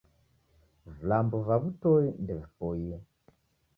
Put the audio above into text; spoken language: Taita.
Vilambo va w'utoi ndevipoie.